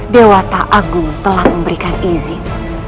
dewa ta'agung telah memberikan izin